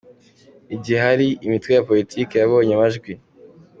Igihe hari imitwe ya politiki yabonye amajwi.